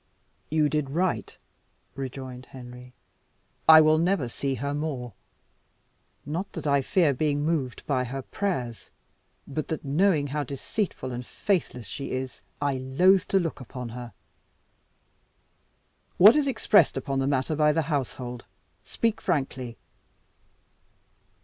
"You did right," rejoined Henry; "I will never see her more not that I fear being moved by her prayers, but that, knowing how deceitful and faithless she is, I loathe to look upon her. What is expressed upon the matter by the household? Speak frankly."